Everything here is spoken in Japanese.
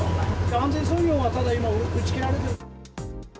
安全操業が今は打ち切られている。